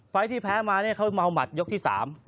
ที่แพ้มาเนี่ยเขาเมาหมัดยกที่๓